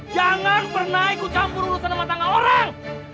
jangan pernah ikut campur urusan sama tangga orang